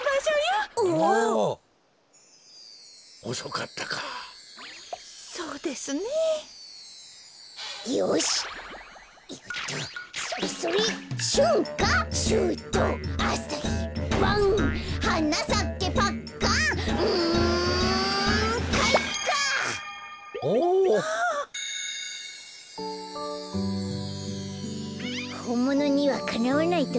ほんものにはかなわないとおもうけど。